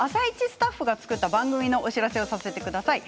スタッフが作った番組のお知らせをさせてください。